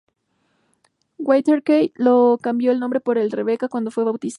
Whitaker le cambió el nombre por el de "Rebecca" cuando fue bautizada.